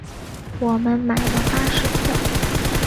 我们买了巴士票